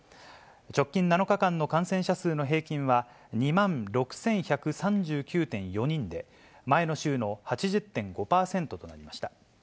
直近７日間の感染者数の平均は、２万６１３９．４人で、前の週の８０．５％となりました。